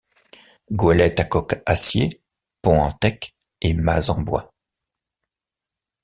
Goélette à coque acier, pont en teck et mâts en bois.